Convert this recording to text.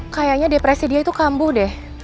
kayaknya depresi dia itu kambuh deh